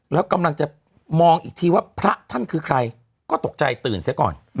แล้วกำลังจะมองอีกทีว่าพระท่านคือใครก็ตกใจตื่นเสียก่อน